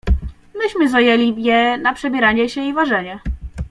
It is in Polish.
"Myśmy zajęli je na przebieranie się i ważenie."